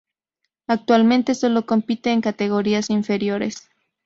Actualmente solo compite en categorías inferiores.